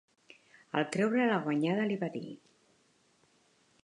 Al creure-la guanyada, li va dir: